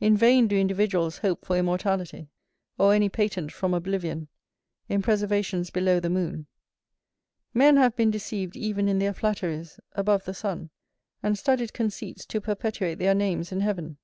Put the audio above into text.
In vain do individuals hope for immortality, or any patent from oblivion, in preservations below the moon; men have been deceived even in their flatteries, above the sun, and studied conceits to perpetuate their names in heaven.